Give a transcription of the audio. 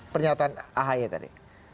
pernyataan ahaya tadi